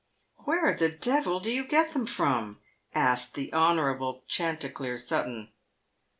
" Where the devil do you get them from ?" asked the Honourable Chanticleer Sutton.